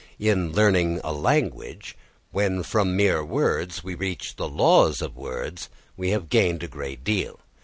In learning a language, when from mere words we reach the laws of words we have gained a great deal.